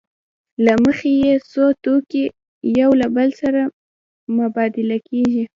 له مخې یې څو توکي یو له بل سره مبادله کېږي